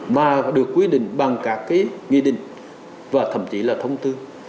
mà được quy định bằng các cái nghị định và thậm chí là thông tư